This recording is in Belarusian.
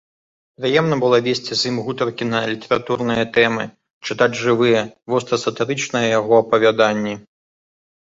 Прыемна было весці з ім гутаркі на літаратурныя тэмы, чытаць жывыя, вострасатырычныя яго апавяданні.